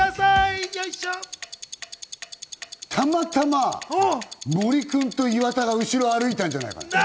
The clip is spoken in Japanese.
たまたま森君と岩田が後ろ歩いたんじゃないかな？